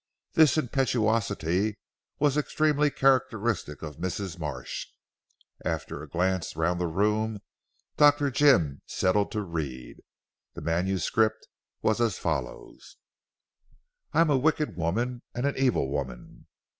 This impetuosity was extremely characteristic of Mrs. Marsh. After a glance round the room Dr. Jim settled to read. The manuscript was as follows: "I am a wicked woman and an evil woman.